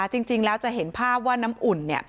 จริงแล้วจะเห็นภาพว่าน้ำอุ่น